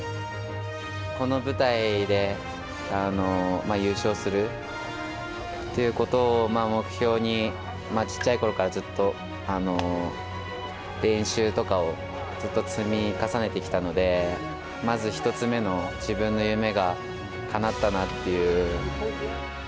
この舞台で、優勝するっていうことを目標に、ちっちゃいころからずっと練習とかをずっと積み重ねてきたので、まず１つ目の自分の夢がかなったなっていう。